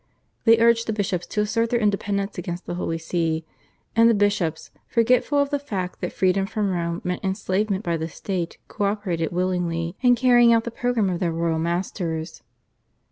They urged the bishops to assert their independence against the Holy See, and the bishops, forgetful of the fact that freedom from Rome meant enslavement by the State, co operated willingly in carrying out the programme of their royal masters.